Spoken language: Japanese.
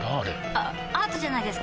あアートじゃないですか？